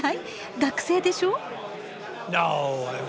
学生でしょう？